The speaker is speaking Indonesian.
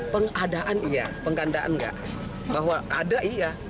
pengadaan iya penggandaan enggak bahwa ada iya